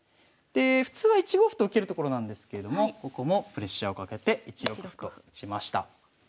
で普通は１五歩と受けるところなんですけれどもここもプレッシャーをかけて１六歩と打ちました。